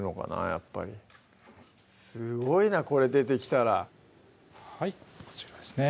やっぱりすごいなこれ出てきたらはいこちらですね